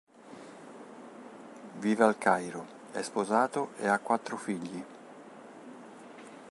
Vive al Cairo, è sposato e ha quattro figli.